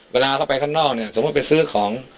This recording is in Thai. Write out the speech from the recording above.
เวลาเข้าไปข้างนอกเนี่ยสมมุติไปซื้อของ